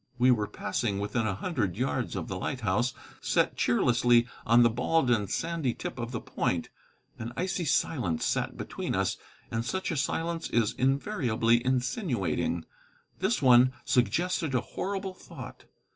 We were passing within a hundred yards of the lighthouse, set cheerlessly on the bald and sandy tip of the point. An icy silence sat between us, and such a silence is invariably insinuating. This one suggested a horrible thought.